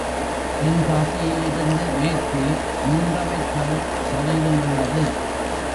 தென்காசியிலிருந்து மேற்கே மூன்றரைக்கல் தொலைவிலுள்ளது.